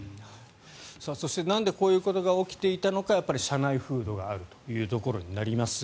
そしてなんでこういうことが起きていたのかやっぱり社内風土があるというところになります。